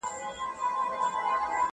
چی یې مرگ نه دی منلی په جهان کي٫